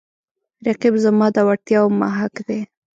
رقیب زما د وړتیاو محک دی